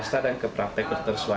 setelah ada isu itu